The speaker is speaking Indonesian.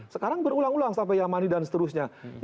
sekarang berulang ulang sampai yamani dan seterusnya